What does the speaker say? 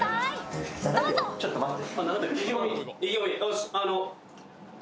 ちょっと待って！